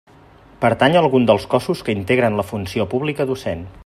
Pertànyer a algun dels cossos que integren la funció pública docent.